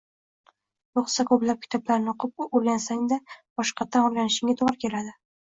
Yoʻqsa, ko’plab kitoblarni oʻqib, oʻrgansang-da, boshqatdan oʻrganishingga toʻgʻri keladi…